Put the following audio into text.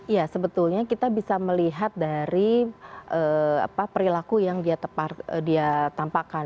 ya sebetulnya kita bisa melihat dari perilaku yang dia tampakkan